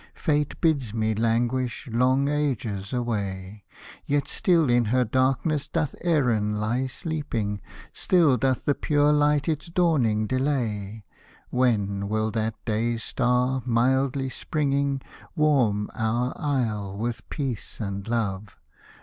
Fate bids me languish long ages away ; Yet still in her darkness doth Erin lie sleeping, Still doth the pure light its dawning delay. When will that day star, mildly springing, Warm our isle with peace and love